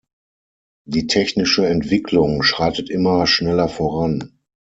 Die technische Entwicklung schreitet immer schneller voran.